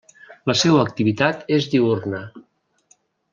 La seua activitat és diürna.